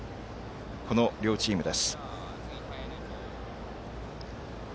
この両チームです。